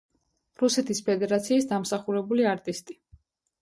რუსეთის ფედერაციის დამსახურებული არტისტი.